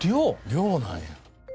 寮なんや。